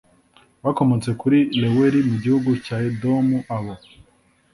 bakomotse kuri reweli mugihugu cya edomu abo